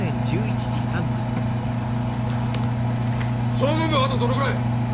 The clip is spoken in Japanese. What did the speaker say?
総務部あとどのぐらい！